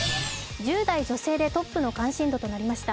１０代女性でトップの関心度となりました。